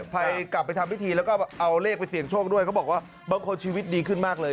ไปกลับไปทำพิธีแล้วก็เอาเลขไปเสี่ยงโชคด้วยเขาบอกว่าบางคนชีวิตดีขึ้นมากเลย